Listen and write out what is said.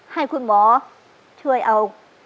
ให้คุณหมอช่วยเอา